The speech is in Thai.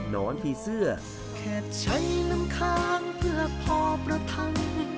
นอนผีเสื้อแค่ใช้น้ำค้างเพื่อพอประทัง